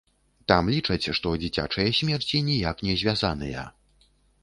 Там лічаць, што дзіцячыя смерці ніяк не звязаныя.